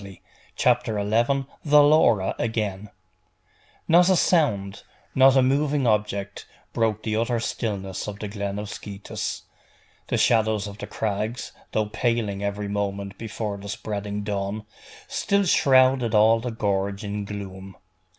CHAPTER XI: THE LAURA AGAIN Not a sound, not a moving object, broke the utter stillness of the glen of Scetis. The shadows of the crags, though paling every moment before the spreading dawn, still shrouded all the gorge in gloom.